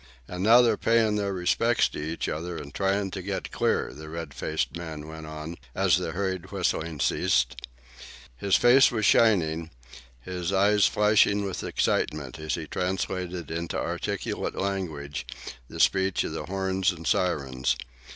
"And now they're payin' their respects to each other and tryin' to get clear," the red faced man went on, as the hurried whistling ceased. His face was shining, his eyes flashing with excitement as he translated into articulate language the speech of the horns and sirens.